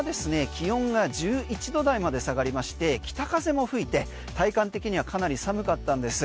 気温が１１度台まで下がりまして北風も吹いて体感的にはかなり寒かったんです。